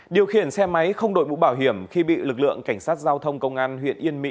điều khiển xe máy không đội mũ bảo hiểm khi bị lực lượng cảnh sát giao thông công an huyện yên mỹ